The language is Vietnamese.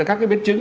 các cái biến chứng